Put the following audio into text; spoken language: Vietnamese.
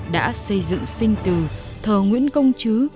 đã xây dựng sinh từ thờ nguyễn công chứ